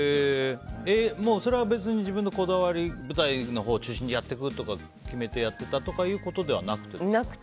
それは自分のこだわり舞台のほう中心でやっていくとか決めてやっていたわけではなくて。